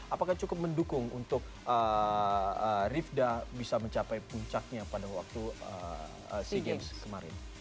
apakah cukup mendukung untuk rivda bisa mencapai puncaknya pada waktu sea games kemarin